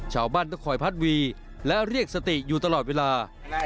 ชาวบ้านต้องคอยพัดวีและเรียกสติอยู่ตลอดเวลา